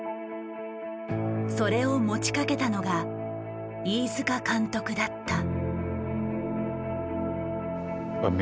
それを持ちかけたのが飯塚監督だった。